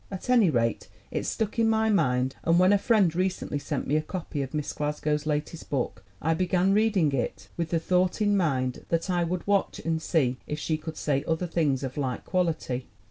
At any rate, it stuck in my mind, and when a friend recently sent me a copy of Miss Glas gow's latest book, I began reading it with the thought in mind , that I would watch and see if she could say other things of like quality.